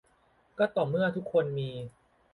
ก็ต่อเมื่อทุกคนมี